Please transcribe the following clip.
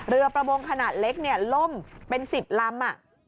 เรือประมงขนาดเล็กล่มเป็น๑๐ลำ